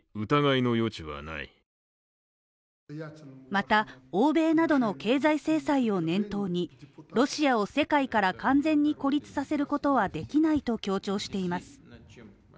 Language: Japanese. また、欧米などの経済制裁を念頭にロシアを世界から完全に孤立させることはできないと強調しています。